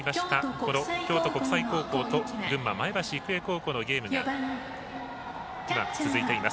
この京都国際高校と群馬、前橋育英高校のゲームが今、続いています。